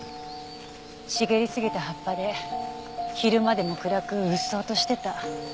茂りすぎた葉っぱで昼間でも暗くうっそうとしてた。